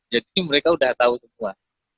jadi mereka udah tahu semua